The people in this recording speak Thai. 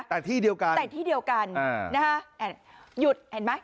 แต่ที่เดียวกันแต่ที่เดียวกันนะฮะหยุดเห็นไหม